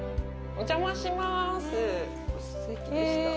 お邪魔します。